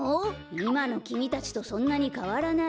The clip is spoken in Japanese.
いまのきみたちとそんなにかわらない。